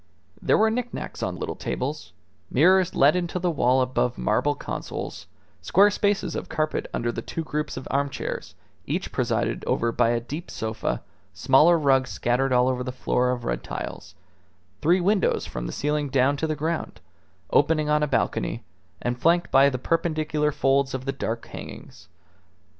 There were knick knacks on little tables, mirrors let into the wall above marble consoles, square spaces of carpet under the two groups of armchairs, each presided over by a deep sofa; smaller rugs scattered all over the floor of red tiles; three windows from the ceiling down to the ground, opening on a balcony, and flanked by the perpendicular folds of the dark hangings.